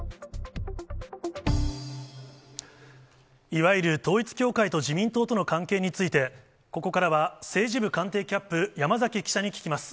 いわゆる統一教会と自民党との関係について、ここからは政治部官邸キャップ、山崎記者に聞きます。